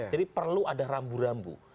jadi perlu ada rambu rambu